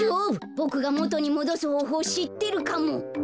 ボクがもとにもどすほうほうをしってるかも。